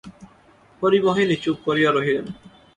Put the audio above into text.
হরিমোহিনী চুপ করিয়া রহিলেন।